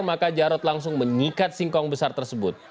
maka jarod langsung menyikat singkong besar tersebut